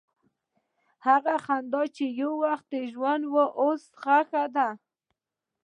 هغه خندا چې یو وخت ژوند وه، اوس ښخ ده.